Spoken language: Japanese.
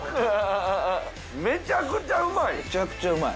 めちゃくちゃうまい。